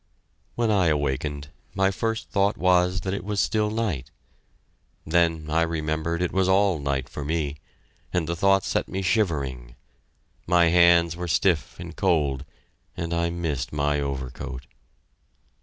When I awakened, my first thought was that it was still night! Then I remembered it was all night for me, and the thought set me shivering. My hands were stiff and cold, and I missed my overcoat.